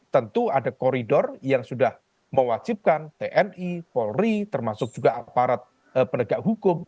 tentu ada koridor yang sudah mewajibkan tni polri termasuk juga aparat penegak hukum